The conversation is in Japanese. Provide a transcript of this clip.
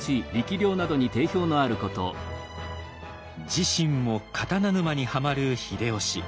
自身も刀沼にはまる秀吉。